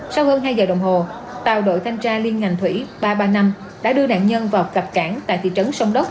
sau hơn hai giờ đồng hồ tàu đội thanh tra liên ngành thủy ba trăm ba mươi năm đã đưa nạn nhân vào cập cảng tại thị trấn sông đốc